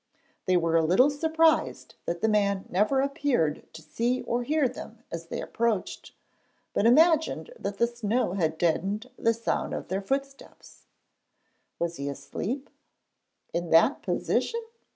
They were a little surprised that the man never appeared to see or hear them as they approached, but imagined that the snow had deadened the sound of their footsteps. Was he asleep? In that position?